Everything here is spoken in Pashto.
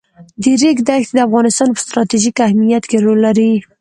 د ریګ دښتې د افغانستان په ستراتیژیک اهمیت کې رول لري.